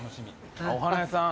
お花屋さん。